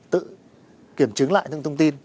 tự kiểm chứng lại những thông tin